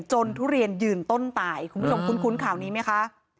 ทุเรียนยืนต้นตายคุณผู้ชมคุ้นข่าวนี้ไหมคะ